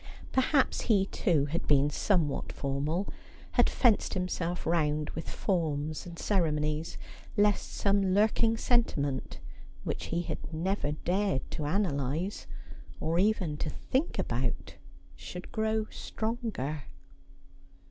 Perhaps he, too, had been somewhat formal — had fenced himself round with forms and ceremonies — lest some lurking sentiment which he had never dared to analyse, or even to think 188 Asphodel. about, should grow stronger.